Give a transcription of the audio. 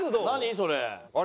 それ。